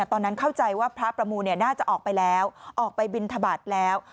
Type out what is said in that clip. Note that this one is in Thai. เข้าใจว่าพระประมูลน่าจะออกไปแล้วออกไปบินทบาทแล้ว